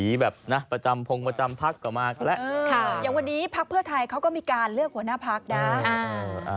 อย่างวันนี้พไทยเขาก็มีการเลือกหัวหน้าภักดิ์นะ